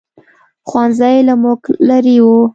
ښوؤنځی له موږ لرې ؤ